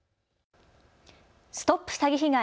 ＳＴＯＰ詐欺被害！